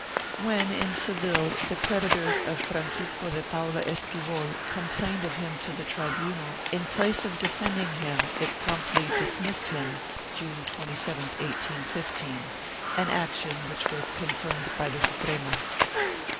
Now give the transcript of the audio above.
1 When, in Seville, the creditors of Francisco de Paula Esquivol complained of him to the tribunal, in place of defending him, it promptly dismissed him, June 27, 1815, an action which was confirmed by the Suprema.